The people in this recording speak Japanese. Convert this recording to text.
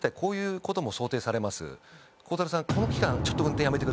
「孝太郎さん」。